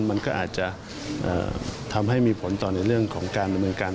มันก็อาจจะทำให้มีผลต่อในเรื่องของการดำเนินการ